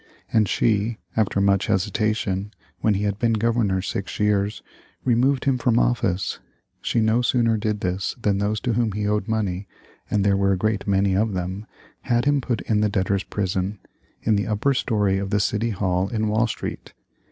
And she, after much hesitation, when he had been Governor six years, removed him from office. She no sooner did this, than those to whom he owed money, and there were a great many of them, had him put in the debtors' prison, in the upper story of the City Hall in Wall Street.